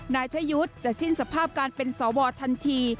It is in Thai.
นายชะยุทธ์จะสิ้นสภาพการเป็นสวทันที